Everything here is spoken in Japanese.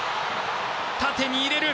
縦に入れる。